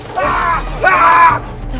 dia bangun beak